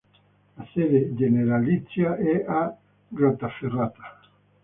La sede generalizia è a Grottaferrata.